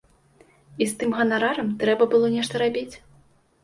І з тым ганарарам трэба было нешта рабіць.